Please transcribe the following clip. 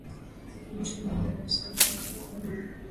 hebu tuweze veksco ka kuni